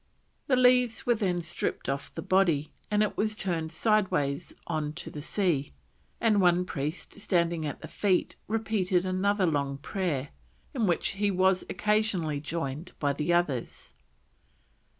The leaves were then stripped off the body, and it was turned sideways on to the sea, and one priest standing at the feet repeated another long prayer in which he was occasionally joined by the others.